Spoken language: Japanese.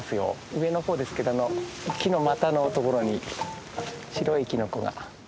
上の方ですけど木の股のところに白いキノコが。